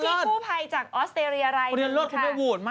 จำนวนที่คู่ภัยจากออสเตรียไลน์คุณพูดมากคุณพูด